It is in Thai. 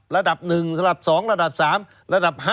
ระดับ๒ระดับ๓ระดับ๕